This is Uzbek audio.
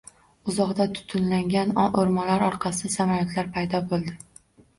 Uzoqda tutunlangan o`rmonlar orqasidan samolyotlar paydo bo`ldi